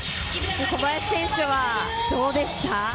小林選手はどうでした？